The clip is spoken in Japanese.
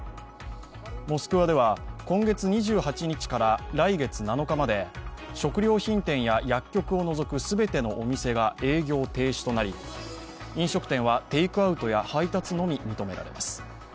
モスクワでは今月２８日から来月７日まで食料品店や薬局を除く全てのお店が営業停止となり飲食店はテイクアウトや配達のみ認められます。